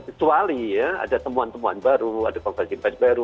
kecuali ya ada temuan temuan baru ada konferensi pers baru